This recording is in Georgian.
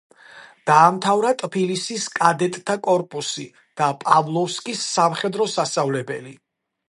დაამთავრა ტფილისის კადეტთა კორპუსი და პავლოვსკის სამხედრო სასწავლებელი.